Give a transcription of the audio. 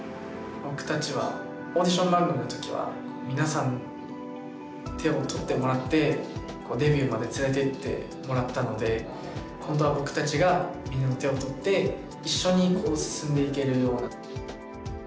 僕たちはオーディション番組の時は皆さんに手を取ってもらってデビューまで連れていってもらったので今度は僕たちがみんなの手を取って一緒に進んでいけるような。